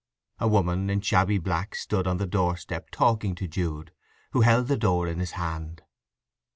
A woman in shabby black stood on the doorstep talking to Jude, who held the door in his hand.